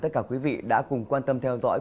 tất cả quý vị đã cùng quan tâm theo dõi